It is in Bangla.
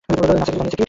নাসা কিছু জানিয়েছে?